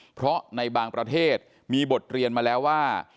เพราะในบางประเทศมีบทเรียนมาแล้วว่า